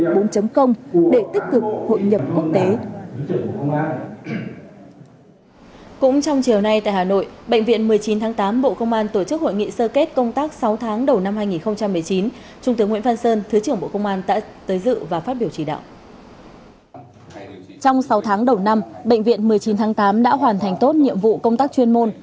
bệnh viện một mươi chín tháng tám đã hoàn thành tốt nhiệm vụ công tác chuyên môn